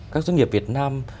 các doanh nghiệp việt nam